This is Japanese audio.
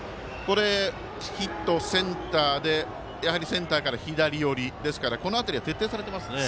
ヒット、センターで左寄りですからこの当たりは徹底されていますね。